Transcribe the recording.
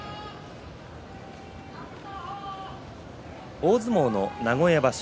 大相撲の名古屋場所